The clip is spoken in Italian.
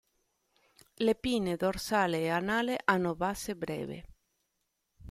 Le pinne dorsale e anale hanno base breve.